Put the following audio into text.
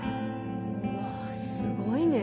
うわすごいね。